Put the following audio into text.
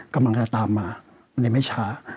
กำลังจะตามมามันเลยไม่ช้า